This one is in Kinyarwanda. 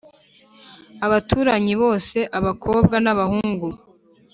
abaturanyi bose abakobwa nabahungu